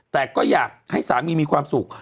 แต่ก็อยากให้สามีมีความสุข